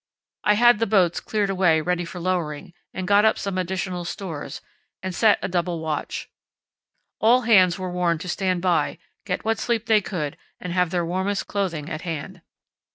I had the boats cleared away ready for lowering, got up some additional stores, and set a double watch. All hands were warned to stand by, get what sleep they could, and have their warmest clothing at hand.